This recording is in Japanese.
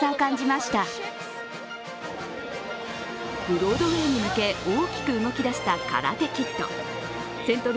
ブロードウェイに向け、大きく動きだした「カラテ・キッド」。